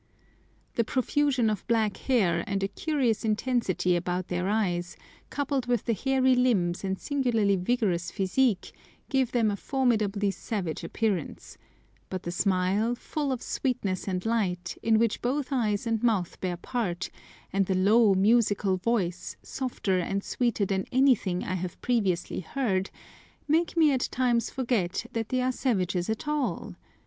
The profusion of black hair, and a curious intensity about their eyes, coupled with the hairy limbs and singularly vigorous physique, give them a formidably savage appearance; but the smile, full of "sweetness and light," in which both eyes and mouth bear part, and the low, musical voice, softer and sweeter than anything I have previously heard, make me at times forget that they are savages at all.